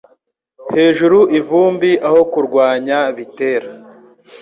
hejuru ivumbi aho kurwanya bitera